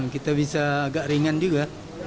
kita bisa agak ringan juga